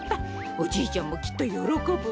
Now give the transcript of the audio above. おじいちゃんもきっとよろこぶわ。